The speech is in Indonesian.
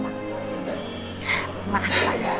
terima kasih banyak